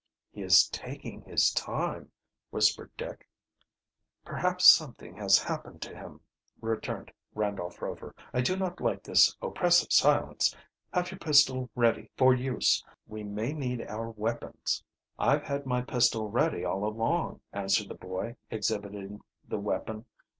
"He is taking his time," whispered Dick. "Perhaps something has happened to him," returned Randolph Rover. "I do not like this oppressive silence. Have your pistol ready for use. We may need our weapons." "I've had my pistol ready all along," answered the boy, exhibiting the weapon.